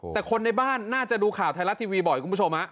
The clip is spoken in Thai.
แต่คนในบ้านน่าจะดูข่าวไทยรัฐทีวีบ่อยคุณผู้ชมฮะ